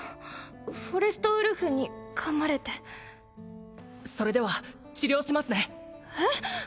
フォレストウルフに噛まれてそれでは治療しますねえっ？